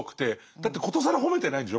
だって殊更褒めてないんでしょ。